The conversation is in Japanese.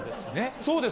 そうです。